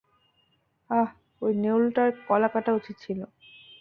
আহ, ওই নেউলটার গলা কাটা উচিত ছিল।